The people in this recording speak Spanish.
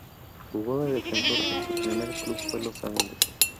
Jugó de defensor y su primer club fue Los Andes.